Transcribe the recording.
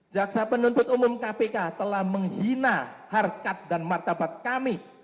jaksa penuntut umum kpk telah menghina harkat dan martabat kami